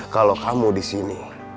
kalau kamu disini